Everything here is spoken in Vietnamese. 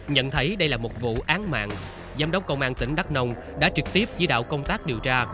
nhận thấy đây là một vụ án mạng giám đốc công an tỉnh đắk nông đã trực tiếp chỉ đạo công tác điều tra